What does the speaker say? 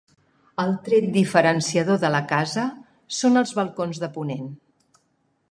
El tret diferenciador de la casa són els balcons de ponent.